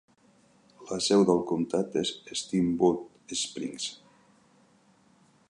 La seu del comtat és Steamboat Springs.